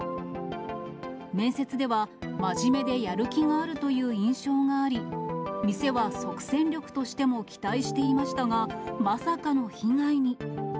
面接では、真面目でやる気があるという印象があり、店は即戦力としても期待していましたが、まさかの被害に。